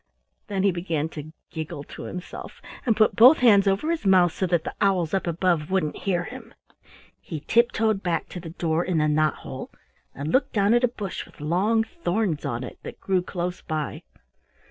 Then he began to giggle to himself, and put both hands over his mouth so that the owls up above wouldn't hear him. He tiptoed back to the door in the knot hole, and looked down at a bush with long thorns on it, that grew close by.